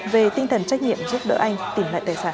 về tinh thần trách nhiệm giúp đỡ anh tìm lại tài sản